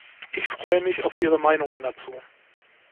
Ich freue mich auf Ihre Meinungen dazu!